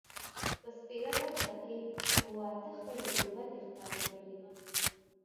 په سپېره دښته کې اوه – اته خړې کومبدې ښکارېدلې.